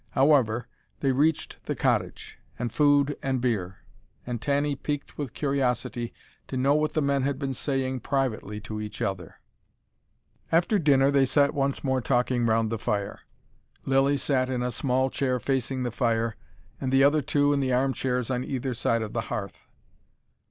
However, they reached the cottage: and food and beer and Tanny, piqued with curiosity to know what the men had been saying privately to each other. After dinner they sat once more talking round the fire. Lilly sat in a small chair facing the fire, the other two in the armchairs on either side the hearth.